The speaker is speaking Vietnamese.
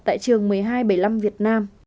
tại trường một nghìn hai trăm bảy mươi năm việt nam